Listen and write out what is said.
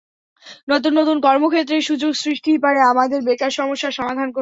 নতুন নতুন কর্মক্ষেত্রের সুযোগ সৃষ্টিই পারে আমাদের বেকার সমস্যার সমাধান করতে।